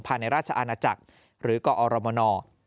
ภายในราชอาณาจักรหรือกอรมน